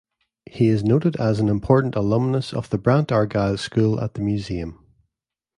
He is noted as an important alumnus of the Brant-Argyle School at the museum.